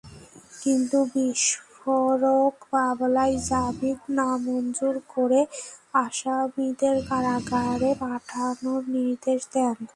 কিন্তু বিস্ফোরক মামলায় জামিন নামঞ্জুর করে আসামিদের কারাগারে পাঠানোর নির্দেশ দেন।